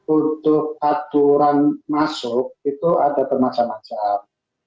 untuk aturan masuk itu ada bermacam macam